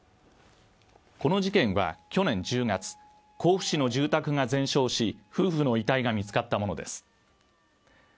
この事件は去年１０月甲府市の住宅が全焼し夫婦の遺体が見つかったものです